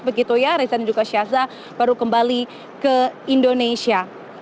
begitu ya reza dan juga syaza baru kembali ke indonesia